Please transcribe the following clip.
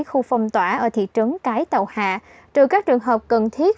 khu phong tỏa ở thị trấn cái tàu hạ trừ các trường hợp cần thiết